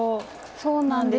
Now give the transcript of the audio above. そうなんです。